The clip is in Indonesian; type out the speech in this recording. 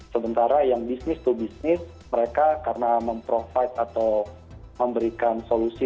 sementara yang bisnis to bisnis mereka karena memprovide atau memberikan solusi